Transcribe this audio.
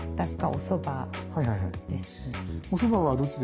おそばはどっちですか？